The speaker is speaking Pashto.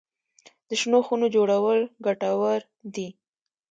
د شنو خونو جوړول ګټور دي؟